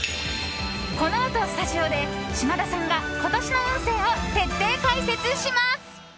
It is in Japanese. このあとスタジオで島田さんが今年の運勢を徹底解説します。